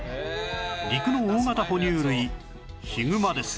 陸の大型哺乳類ヒグマです